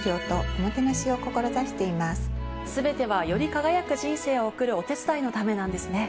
全てはより輝く人生を送るお手伝いのためなんですね。